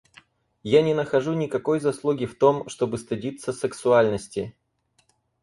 Я не нахожу никакой заслуги в том, чтобы стыдиться сексуальности.